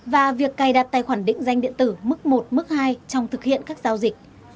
và việc cài đặt tài khoản định danh điện tử mức một mức hai trong thực hiện các giao dịch